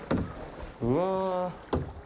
うわ。